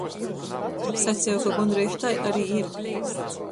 Saceju, ka gondreiž tai ari ir.